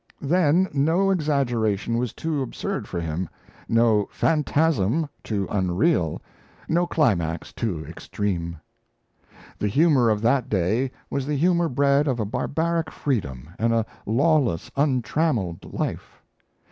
Then no exaggeration was too absurd for him, no phantasm too unreal, no climax too extreme. The humour of that day was the humour bred of a barbaric freedom and a lawless, untrammelled life.